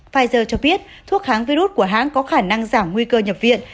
pfizer cho biết thuốc kháng virus của hãng có khả năng giảm nguy cơ nhập viện